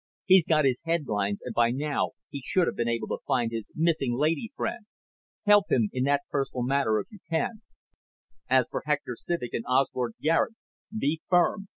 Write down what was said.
He's got his headlines and by now he should have been able to find his missing lady friend. Help him in that personal matter if you can. As for Hector Civek and Osbert Garet, be firm.